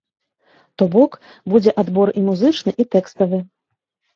То бок, будзе адбор і музычны, і тэкставы.